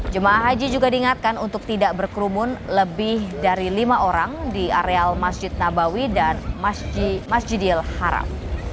jemaah haji juga diingatkan untuk tidak berkerumun lebih dari lima orang di areal masjid nabawi dan masjidil haram